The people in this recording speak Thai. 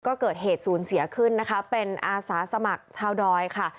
ก็เกิดเหตุศูนย์เสียขึ้นนะคะเป็นอาสาสมัครชาวดอยค่ะ